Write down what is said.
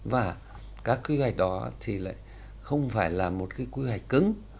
và các quy hoạch đó thì lại không phải là một cái quy hoạch cứng